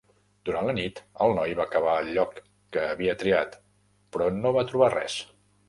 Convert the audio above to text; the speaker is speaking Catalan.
Durant la nit, el noi va cavar al lloc que havia triat, però no va trobar res.